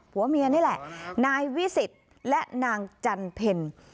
ผัวเมียนี่แหละนายวิสิทธิ์และนางจันเพล